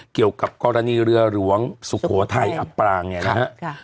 เกี่ยวกับกรณีเรือหลวงสุโขทัยอัปราณ์ไงนะครับ